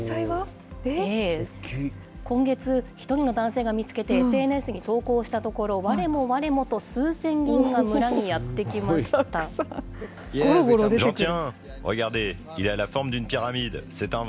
今月、１人の男性が見つけて、ＳＮＳに投稿したところ、われもわれもと、数千人が村にやって来すごい。